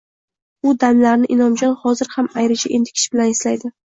U damlarni Inomjon hozir ham ayricha entikish bilan eslaydi